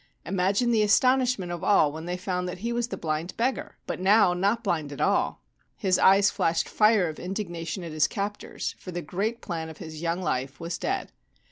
Imagine the astonish ment of all when they found that he was the blind beggar, but now not blind at all ; his eyes flashed fire of indigna tion at his captors, for the great plan of his young life was dead.